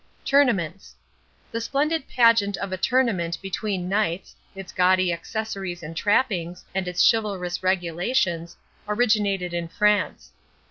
TOURNAMENTS The splendid pageant of a tournament between knights, its gaudy accessories and trappings, and its chivalrous regulations, originated in France.